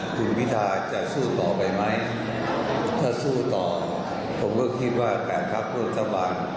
คุณวิทาจะสู้ต่อไปไหมถ้าสู้ต่อผมก็คิดว่าแกครับพลังทะวัน